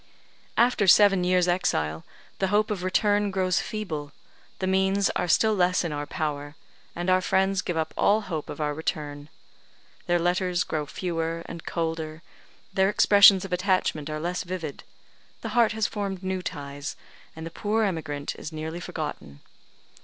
After seven years' exile, the hope of return grows feeble, the means are still less in our power, and our friends give up all hope of our return; their letters grow fewer and colder, their expressions of attachment are less vivid; the heart has formed new ties, and the poor emigrant is nearly forgotten.